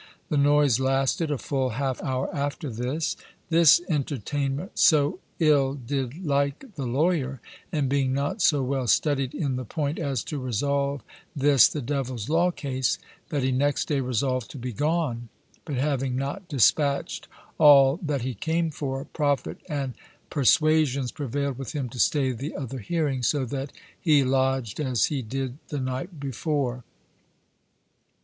The noise lasted, a full half hour after this. This entertainment so ill did like the lawyer, and being not so well studied in the point as to resolve this the devil's law case, that he next day resolved to be gone; but having not dispatcht all that he came for, profit and perswasions prevailed with him to stay the other hearing, so that he lodged as he did the night before.